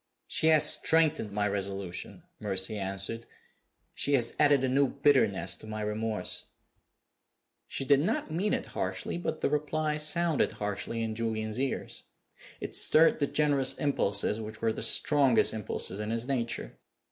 "She has strengthened my resolution," Mercy answered. "She has added a new bitterness to my remorse." She did not mean it harshly, but the reply sounded harshly in Julian's ears. It stirred the generous impulses, which were the strongest impulses in his nature.